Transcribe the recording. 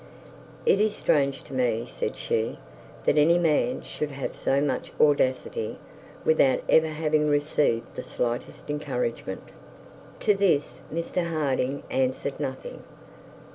'It is strange to me,' said she, 'that any man should have so much audacity, without ever having received the slightest encouragement.' To this Mr Harding answered nothing.